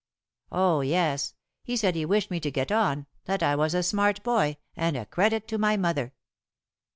"Oh, yes. He said he wished me to get on that I was a smart boy, and a credit to my mother."